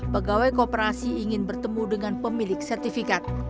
pegawai koperasi ingin bertemu dengan pemilik sertifikat